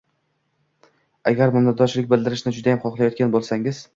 Agar minnatdorchilik bildirishni judayam xohlayotgan boʻlsangiz